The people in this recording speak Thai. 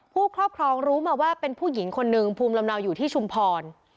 ครอบครองรู้มาว่าเป็นผู้หญิงคนหนึ่งภูมิลำเนาอยู่ที่ชุมพร